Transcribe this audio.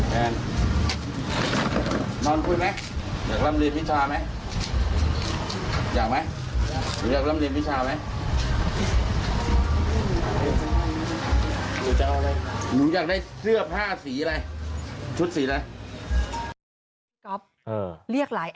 หนูนั่งก่อนหนูนั่งลงก่อนได้ไหมหนูนั่งก่อนได้ไหม